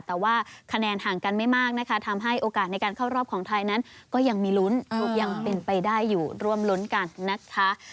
แต่ว่าคะแนนห่างกันไม่มากนะคะทำให้โอกาสในการเข้ารอบของไทยนั้นก็ยังมีลุ้นยังเป็นไปได้อยู่ร่วมรุ้นกันนะคะ